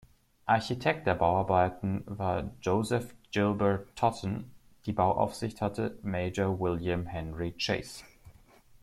Architekt der Bauarbeiten war "Joseph Gilbert Totten", die Bauaufsicht hatte "Major William Henry Chase".